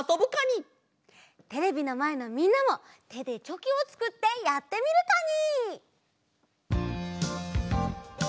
テレビのまえのみんなもてでチョキをつくってやってみるカニ！